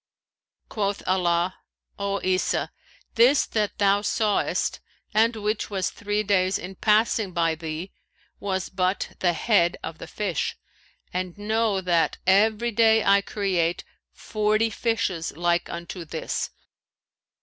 Quoth Allah, 'O Isa, this that thou sawest and which was three days in passing by thee, was but the head of the fish;[FN#533] and know that every day I create forty fishes like unto this.'